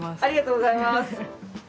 ありがとうございます。